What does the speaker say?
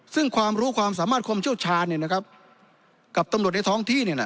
ซึ่งความรู้ความสามารถความเชี่ยวชาญเนี่ยนะครับกับตำรวจในท้องที่เนี่ยน่ะ